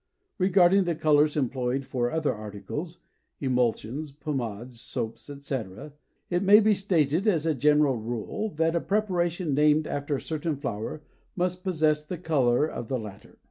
Regarding the colors employed for other articles—emulsions, pomades, soaps, etc.—it may be stated as a general rule that a preparation named after a certain flower must possess the color of the latter.